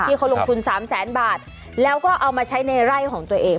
เขาลงทุนสามแสนบาทแล้วก็เอามาใช้ในไร่ของตัวเอง